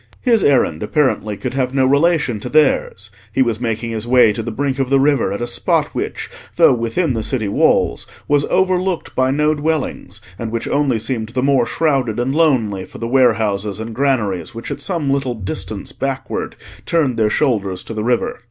His errand, apparently, could have no relation to theirs; he was making his way to the brink of the river at a spot which, though within the city walls, was overlooked by no dwellings, and which only seemed the more shrouded and lonely for the warehouses and granaries which at some little distance backward turned their shoulders to the river.